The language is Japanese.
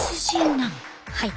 はい。